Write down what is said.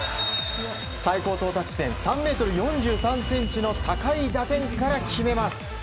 最高到達点３ｍ４３ｃｍの高い打点から決めます。